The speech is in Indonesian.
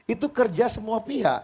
itu kerja semua pihak